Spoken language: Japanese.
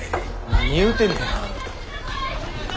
何言うてんねん。